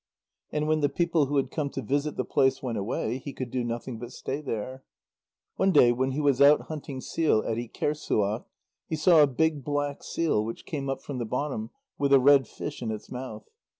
And when the people who had come to visit the place went away, he could do nothing but stay there. One day when he was out hunting seal at Ikerssuaq, he saw a big black seal which came up from the bottom with a red fish in its mouth.